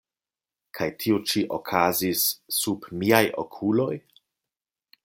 Kaj tio ĉi okazis sub miaj okuloj?